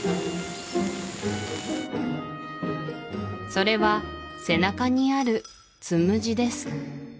それは背中にあるつむじです